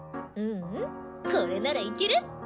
ううんこれならいける！